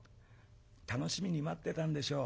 楽しみに待ってたんでしょう。